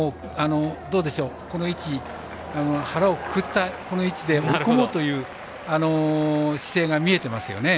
この位置、腹をくくったこの位置で、追い込もうという姿勢が見えていますよね。